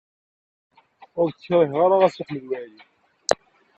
Ur k-kriheɣ ara a Si Ḥmed Waɛli.